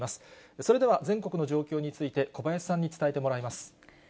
それでは全国の状況について小林さんに伝えてもらいます。